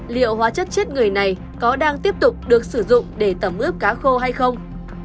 liệu hóa chất chết người này có đang tiếp tục được sử dụng để tẩm ướp cá khô hay không